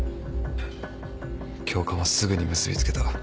教官はすぐに結びつけた。